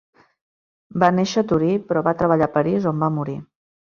Va néixer a Torí, però va treballar a París, on va morir.